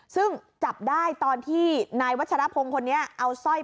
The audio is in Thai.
ซึ่งจับได้ตอนที่นายวัชฌาภงคนเนี่ยเอาซ่อยไปขายที่ร้านรับซื้อทอง